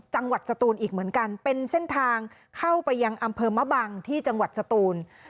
จังหวัดสตูนอีกเหมือนกันเป็นเส้นทางเข้าไปยังอำเภอมะบังที่จังหวัดสตูน